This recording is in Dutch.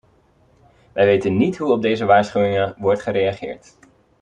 Wij weten niet hoe op deze waarschuwingen wordt gereageerd.